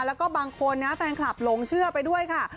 แล้วก็บางคนนะแฟนคลับหลงเชื่อไปด้วยค่ะ